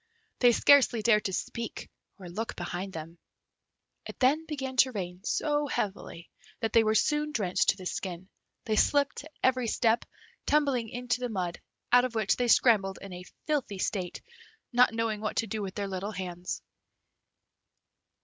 They scarcely dared to speak or look behind them. It then began to rain so heavily that they were soon drenched to the skin; they slipped at every step, tumbling into the mud, out of which they scrambled in a filthy state, not knowing what to do with their hands.